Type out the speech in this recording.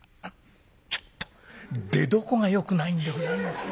「ちょっと出どこがよくないんでございますが。